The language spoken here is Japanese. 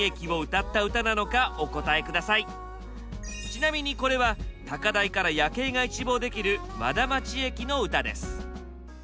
ちなみにこれは高台から夜景が一望できる和田町駅の歌です。